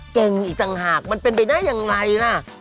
อีกต่างหากมันเป็นไปได้อย่างไรล่ะ